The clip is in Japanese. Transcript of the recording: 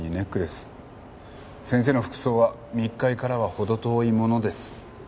先生の服装は密会からは程遠いものです。